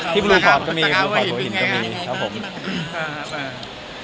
ด้วยเมื่อสุขาวโหยนวันนี้ก็มี